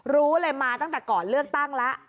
รู้เลยมาตั้งแต่ก่อนเลือกตั้งแล้ว